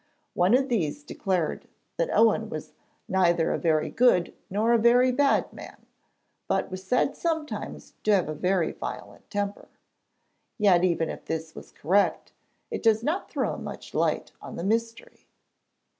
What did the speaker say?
One of these declared that Owen was 'neither a very good nor a very bad man, but was said sometimes to have a very violent temper.' Yet, even if this was correct, it does not throw much light on the mystery.